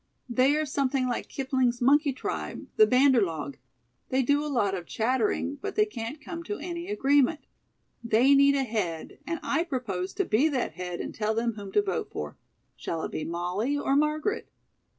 "They are something like Kipling's monkey tribe, the 'banderlog.' They do a lot of chattering, but they can't come to any agreement. They need a head, and I propose to be that head and tell them whom to vote for. Shall it be Molly or Margaret?"